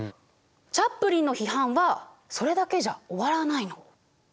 チャップリンの批判はそれだけじゃ終わらないの。